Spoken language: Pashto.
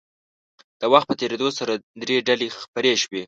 د وخت په تېرېدو سره درې ډلې خپرې شوې.